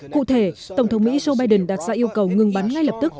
cụ thể tổng thống mỹ joe biden đặt ra yêu cầu ngừng bắn ngay lập tức